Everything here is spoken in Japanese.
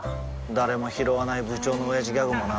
誰もひろわない部長のオヤジギャグもな